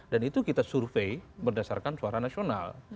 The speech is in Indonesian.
dan itu kita survei berdasarkan suara nasional